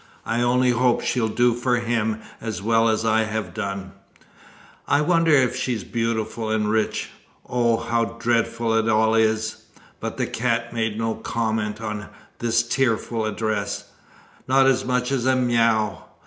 I only hope she'll do for him as well as I have done. I wonder if she's beautiful and rich. Oh, how dreadful it all is!" But the cat made no comment on this tearful address not as much as a mew.